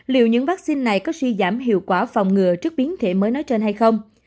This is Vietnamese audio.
liệu những vaccine này có suy giảm hiệu quả phòng ngừa trước biến thể mới nói trên hay không